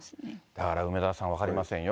だから、梅沢さん、分かりませんよ。